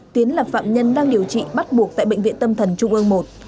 tiến là phạm nhân đang điều trị bắt buộc tại bệnh viện tâm thần trung ương một